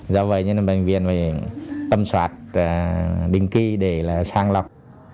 do vậy nên bệnh viện phải tâm soát định kỳ để là sang lọc